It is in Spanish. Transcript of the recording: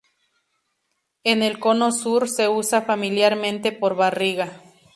En el Cono Sur se usa familiarmente por "barriga".